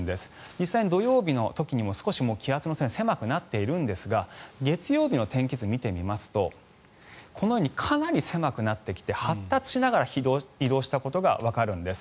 実際に土曜日の時にも気圧の線が狭くなっているんですが月曜日の天気図を見てみますとこのようにかなり狭くなってきて発達しながら移動したことがわかるんです。